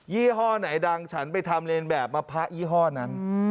ี่ห้อไหนดังฉันไปทำเรียนแบบมะพะยี่ห้อนั้น